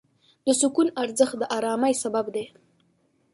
د سکون ارزښت د آرامۍ سبب دی.